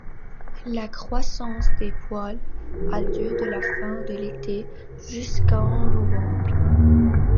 La croissance des poils a lieu de la fin de l'été jusqu'en novembre.